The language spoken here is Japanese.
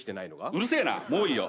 うるせえなもういいよ。